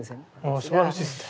ああすばらしいですね。